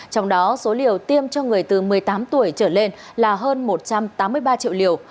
trong đó số liều tiêm cho người từ một mươi tám tuổi trở lên là hơn một trăm tám mươi ba triệu liều